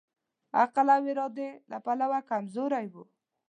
عقل او ارادې له پلوه کمزوری وو.